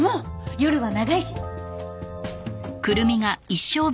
夜は長いし。